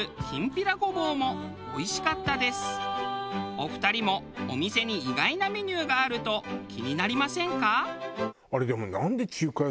お二人もお店に意外なメニューがあると気になりませんか？